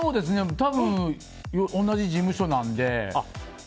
多分同じ事務所なので。